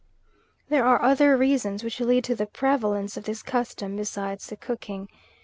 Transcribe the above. There are other reasons which lead to the prevalence of this custom, beside the cooking.